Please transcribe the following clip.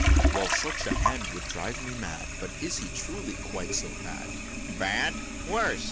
"Well, such a hand would drive me mad; But is he truly quite so bad?" "Bad! worse!